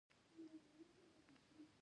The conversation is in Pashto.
پکیتکا طبیعی ښکلاګاني لري.